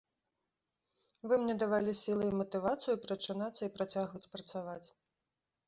Вы мне давалі сілы і матывацыю прачынацца і працягваць працаваць.